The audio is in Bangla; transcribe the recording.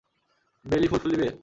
বেলি ফুল ফুলিবে?